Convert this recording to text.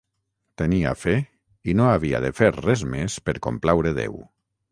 Tenia fe i no havia de fer res més per complaure Déu.